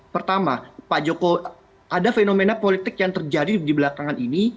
pertama pak jokowi ada fenomena politik yang terjadi di belakangan ini